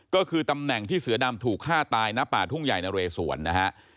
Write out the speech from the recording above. ก็คือตำแหน่งที่เสือดำถูกฆ่าตายณป่าทุ่งใหญ่นะเรสวนนะฮะ